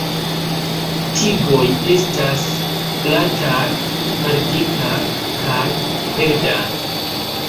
Tigoj estas glataj, maldikaj kaj verdaj.